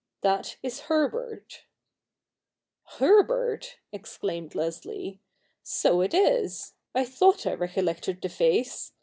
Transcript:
That is Herbert' ' Herbert !' exclaimed Leslie, ' so it is. I thought I recollected the face.